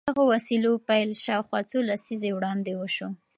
د دغو وسيلو پيل شاوخوا څو لسيزې وړاندې وشو.